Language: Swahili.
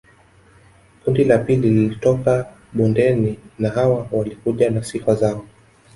Kundi la pili lilitoka bondeni na hawa walikuja na sifa zao